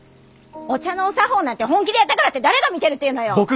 お茶のお作法なんて本気でやったからって誰が見てるっていうのよ！